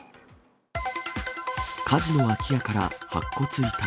火事の空き家から白骨遺体。